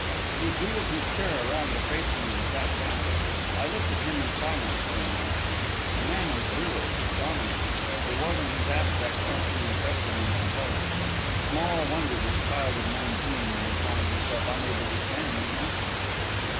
He wheeled his chair around to face me and sat down. I looked at him in silence for a moment. The man was virile, dominant; there was in his aspect something impressive and compelling. Small wonder this child of nineteen had found herself unable to stand against him!